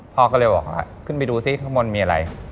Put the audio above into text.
พ่อก็เลยบอกว่าขึ้นไปดูซิข้างบนมีอะไร